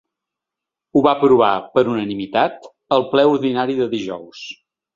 Ho va aprovar, per unanimitat, el ple ordinari de dijous.